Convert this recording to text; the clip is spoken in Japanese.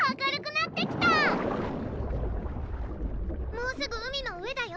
もうすぐ海の上だよ！